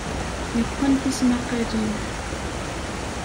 Yeqqen tismaqqalin.